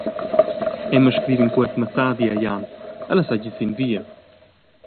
Emma scriva in cuort messadi a Jan, ella seigi sin via.